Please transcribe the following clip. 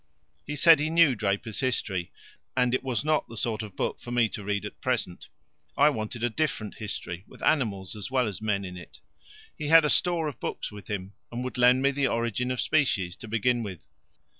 He said he knew Draper's History, and it was not the sort of book for me to read at present. I wanted a different history, with animals as well as men in it. He had a store of books with him, and would lend me the Origin of Species to begin with.